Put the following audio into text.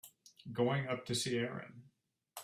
Going up to see Erin.